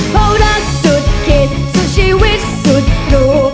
เพราะรักสุดเขตสุดชีวิตสุดรู้